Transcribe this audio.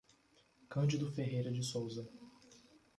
Candido Ferreira de Souza